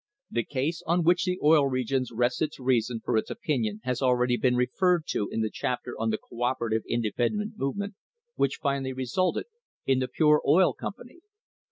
The case on which the Oil Regions rests its reason for its opinion has already been referred to in the chapter on the co operative independent movement which finally resulted in the Pure Oil Company.